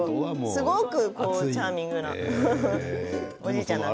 すごくチャーミングなおじいちゃんなんです。